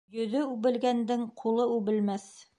Йөҙө үбелгәндең ҡулы үбелмәҫ.